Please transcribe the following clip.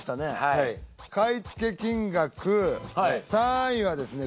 はい買い付け金額３位はですね